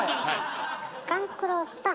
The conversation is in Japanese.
勘九郎さん。